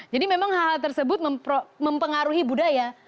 jadi memang hal tersebut mempengaruhi budaya